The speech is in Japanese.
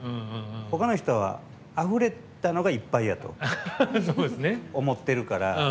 ほかの人は、あふれたのがいっぱいやと思ってるから。